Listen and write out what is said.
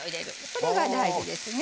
それが大事ですね。